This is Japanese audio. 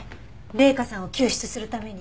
麗華さんを救出するために。